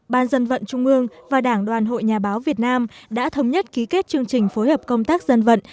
ban dân vận trung ương và đảng đoàn hội nhà báo việt nam đã thống nhất ký kết chương trình phối hợp công tác dân vận